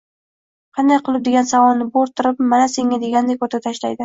“qanday qilib” degan savolni bo‘rttirib, “mana senga” degandek o‘rtaga tashlaydi.